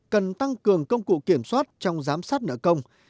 cần tăng cường công cụ kiểm soát trong giám sát nợ công